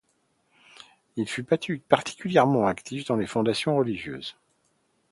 Il fut particulièrement actif dans les fondations religieuses.